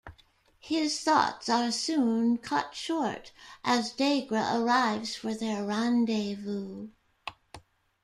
His thoughts are soon cut short as Degra arrives for their rendezvous.